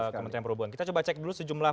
kementerian perhubungan kita coba cek dulu sejumlah